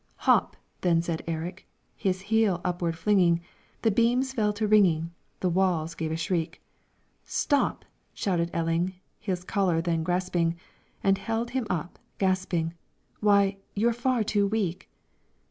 "Hop!" said then Erik, His heel upward flinging; The beams fell to ringing, The walls gave a shriek. "Stop!" shouted Elling, His collar then grasping, And held him up, gasping: "Why, you're far too weak!"